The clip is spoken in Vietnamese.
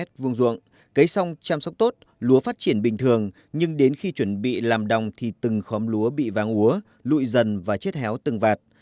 cuông cấy xong chăm sóc tốt lúa phát triển bình thường nhưng đến khi chuẩn bị làm đồng thì từng khóm lúa bị vàng úa lụi dần và chết héo từng vạt